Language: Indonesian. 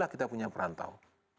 kita punya perantau